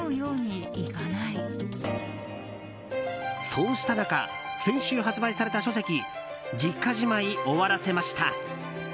そうした中先週、発売された書籍「実家じまい終わらせました！」。